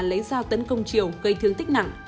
lấy dao tấn công triều gây thương tích nặng